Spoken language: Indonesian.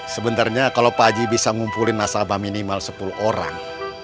sebenernya kalau pak aji bisa ngumpulin nasabah minimal sepuluh orang